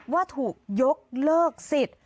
ว่าถูกยกเลิกสิทธิ์